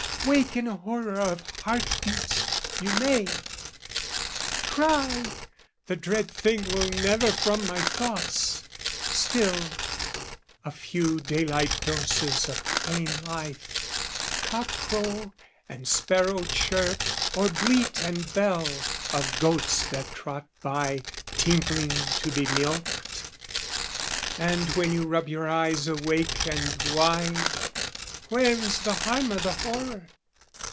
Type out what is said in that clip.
Wake in a horror of heart beats, you may Cry, "The dread thing will never from my thoughts!" Still, a few daylight doses of plain life, Cock crow and sparrow chirp, or bleat and bell Of goats that trot by, tinkling, to be milked; And when you rub your eyes awake and wide, Where is the harm o' the horror?